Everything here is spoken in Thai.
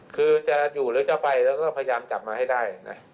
คือจะอยู่หรือจะไปแล้วก็พยายามจับมาให้ได้นะ